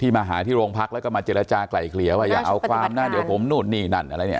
มาหาที่โรงพักแล้วก็มาเจรจากลายเกลียว่าอย่าเอาความนะเดี๋ยวผมนู่นนี่นั่นอะไรเนี่ย